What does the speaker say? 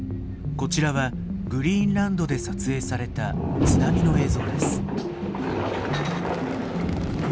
こちらはグリーンランドで撮影された津波の映像です。